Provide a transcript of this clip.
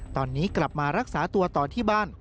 ตอนนี้กลับมารักษาตัวต่อที่บ้าน